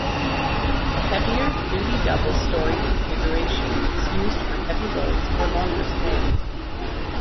The heavier duty double-storey configuration is used for heavy loads or longer spans.